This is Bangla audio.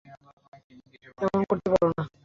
এমনটা করতে পারো না।